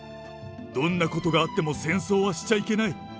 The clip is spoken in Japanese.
どんなことがあっても戦争はしちゃいけない。